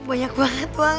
banyak banget uangnya